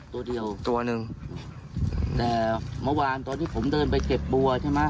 ตัวเดียวตัวหนึ่งแต่เมื่อวานตอนที่ผมเดินไปเก็บบัวใช่ไหม